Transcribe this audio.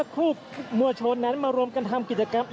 คุณภูริพัฒน์ครับ